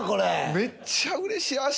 めっちゃうれしい明日